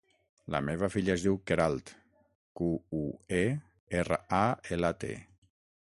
La meva filla es diu Queralt: cu, u, e, erra, a, ela, te.